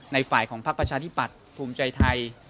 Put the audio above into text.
ในฝ่ายของภาคประชาธิบัตรภูมิใจไทย